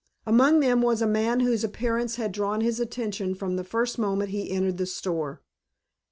Among them was a man whose appearance had drawn his attention from the first moment he entered the store.